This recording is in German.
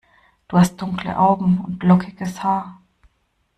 Du hast dunkle Augen und lockiges Haar.